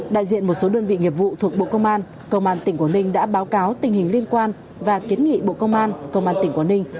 đại diện một số đơn vị nghiệp vụ thuộc bộ công an công an tỉnh quảng ninh đã báo cáo tình hình liên quan và kiến nghị bộ công an công an tỉnh quảng ninh